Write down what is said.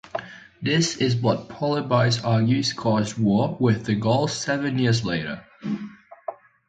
This is what Polybius argues caused war with the Gauls seven years later.